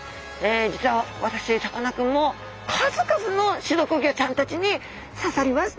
実は私さかなクンも数々の刺毒魚ちゃんたちに刺されました。